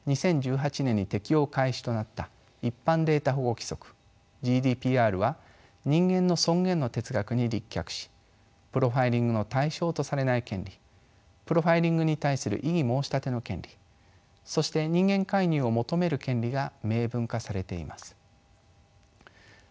規則ＧＤＰＲは人間の尊厳の哲学に立脚しプロファイリングの対象とされない権利プロファイリングに対する異議申し立ての権利そして人間介入を求める権利が明文化されています。